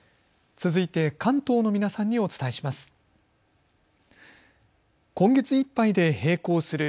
続いて関東の皆さんにお伝えします。